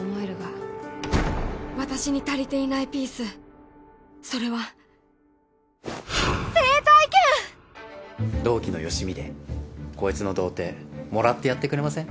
私に足りていないピースそれは同期のよしみでこいつの童貞もらってやってくれません？